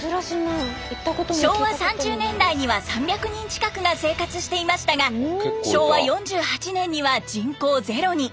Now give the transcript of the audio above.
昭和３０年代には３００人近くが生活していましたが昭和４８年には人口０に。